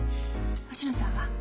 星野さんは？